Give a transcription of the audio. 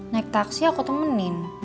naik taksi aku temenin